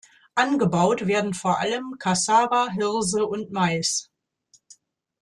Angebaut werden vor allem Kassava, Hirse und Mais.